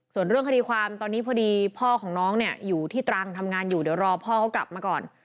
ส่วนเรื่องคดีความตอนนี้พอดีพ่อของน้องเนี่ยอยู่ที่ตรังทำงานอยู่เดี๋ยวรอพ่อเขากลับมาก่อน